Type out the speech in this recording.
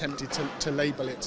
itu bukan hal itu